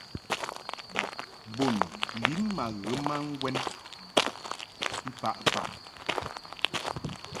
Bun lin ma ghə ma ŋgwɛn mfaʼ faʼ.